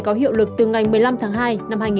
có hiệu lực từ ngày một mươi năm tháng hai